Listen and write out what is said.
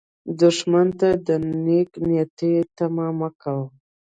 دښمن ته د نېک نیتي تمه مه کوه